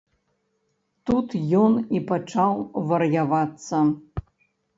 Тут ён і пачаў вар'явацца.